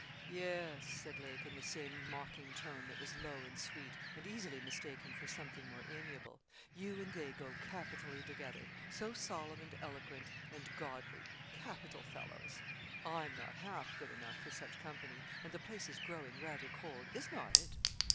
'Yes,' said Lake, in the same mocking tone, that was low and sweet, and easily mistaken for something more amiable. 'You and they go capitally together so solemn, and eloquent, and godly capital fellows! I'm not half good enough for such company and the place is growing rather cold is not it?'